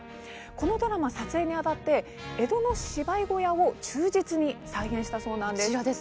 このドラマなんですが撮影にあたって江戸の芝居小屋を忠実に再現したそうなんです。